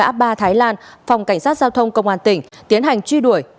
ngã ba thái lan phòng cảnh sát giao thông công an tỉnh tiến hành truy đuổi